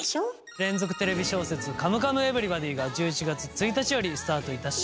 連続テレビ小説「カムカムエヴリバディ」が１１月１日よりスタートいたします。